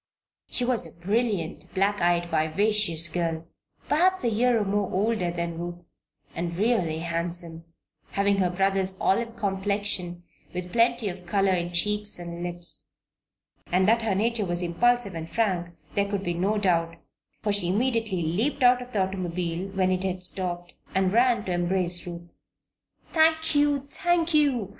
She was a brilliant, black eyed, vivacious girl, perhaps a year or more older than Ruth, and really handsome, having her brother's olive complexion with plenty of color in cheeks and lips. And that her nature was impulsive and frank there could be no doubt, for she immediately leaped out of the automobile, when it had stopped, and ran to embrace Ruth. "Thank you! thank you!"